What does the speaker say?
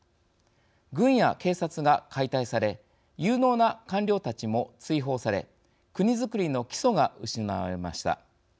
軍や警察が解体され有能な官僚たちも追放され国づくりの基礎が失われました。